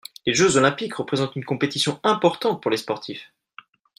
Les jeux olympiques représentent une compétition importante pour les sportifs.